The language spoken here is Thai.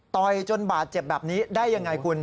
จนบาดเจ็บแบบนี้ได้ยังไงคุณ